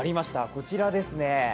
こちらですね。